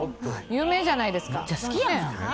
有名じゃないですか。